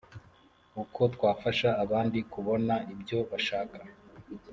uko twafasha abandi kubona ibyo bashaka